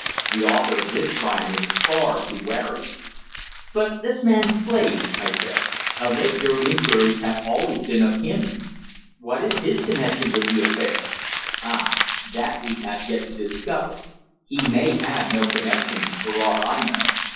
The author of this crime is far too wary." "But this man Slade?" I said. "Of late your inquiries have always been of him. What is his connection with the affair?" "Ah, that we have yet to discover. He may have no connection, for aught I know.